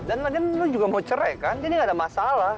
dan rina lo juga mau cerai kan jadi nggak ada masalah